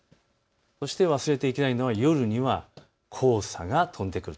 そして忘れていけないのは夜には黄砂が飛んでくる。